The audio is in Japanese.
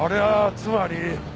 つまり？